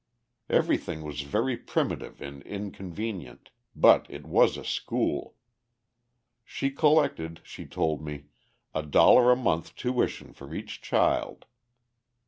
Everything was very primitive and inconvenient but it was a school! She collected, she told me, a dollar a month tuition for each child.